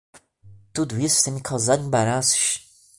Tudo isto tem me causado embaraços